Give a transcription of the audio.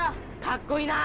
かっこいいな。